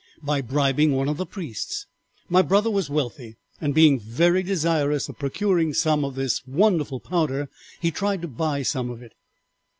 "'By bribing one of the priests. My brother was wealthy, and being very desirous of procuring some of this wonderful powder, he tried to buy some of it.